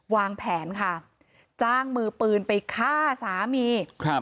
วางแผนค่ะจ้างมือปืนไปฆ่าสามีครับ